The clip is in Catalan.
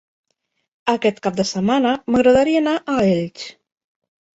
Aquest cap de setmana m'agradaria anar a Elx.